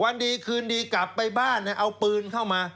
วันดีคืนดีกลับไปบ้านเอาปืนเข้ามา